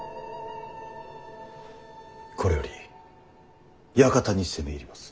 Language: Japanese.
これより館に攻め入ります。